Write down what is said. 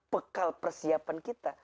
bekal persiapan kita